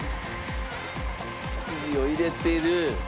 生地を入れている。